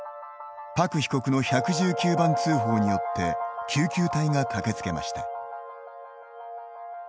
朴被告の１１９番通報によって救急隊が駆けつけました。